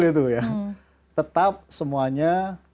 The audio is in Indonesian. tidak betul ya tetap semuanya